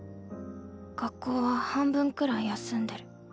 学校は半分くらい休んでる。